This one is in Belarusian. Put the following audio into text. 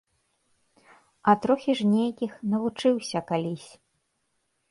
А трохі ж нейкіх навучыўся калісь.